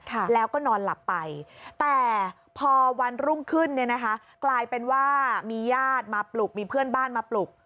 ค่ะแล้วก็นอนหลับไปแต่พอวันรุ่งขึ้นเนี่ยนะคะกลายเป็นว่ามีญาติมาปลุกมีเพื่อนบ้านมาปลุก